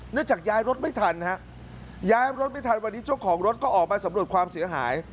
เนื่องจากย้ายรถไม่ทันย้ายรถไม่ทันวันนี้ช่วงของรถก็ออกไปสำหรับความเสียหาย